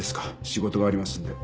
仕事がありますので。